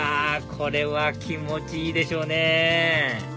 これは気持ちいいでしょうね